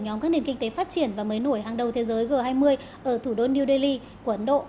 nhóm các nền kinh tế phát triển và mới nổi hàng đầu thế giới g hai mươi ở thủ đô new delhi của ấn độ